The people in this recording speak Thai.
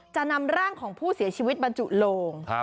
จะนำร่างของผู้เสียชีวิตบรรจุโลง